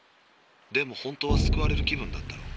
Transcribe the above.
でも本当は救われる気分だったろ？